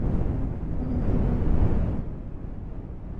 আমাকে ক্ষমা কোরো।